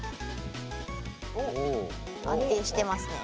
安定してますね。